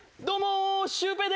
どうもー！